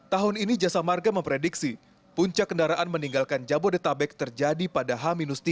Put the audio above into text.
tahun ini jasa marga memprediksi puncak kendaraan meninggalkan jabodetabek terjadi pada h tiga